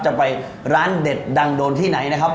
จะไปร้านเด็ดดังโดนที่ไหนนะครับ